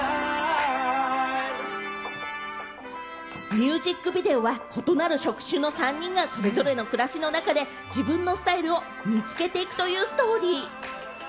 ミュージックビデオは異なる職種の３人が、それぞれの暮らしの中で自分のスタイルを見つけていくというストーリー。